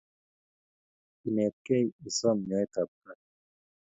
Inet kei isom nyoet ab kaat